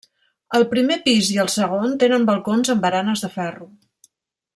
El primer pis i el segon tenen balcons amb baranes de ferro.